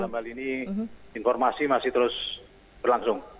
dalam hal ini informasi masih terus berlangsung